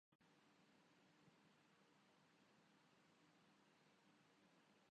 عدالت کامعاملہ، ریاستی اداروں میں سب سے نازک ہے۔